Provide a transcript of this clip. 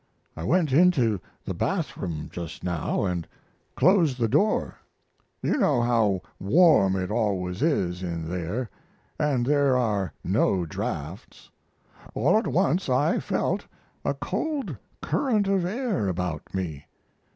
I went into the bath room just now and closed the door. You know how warm it always is in there, and there are no draughts. All at once I felt a cold current of air about me.